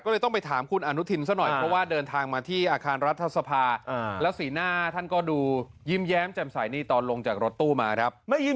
ก็มีโอกาสใช่ไหม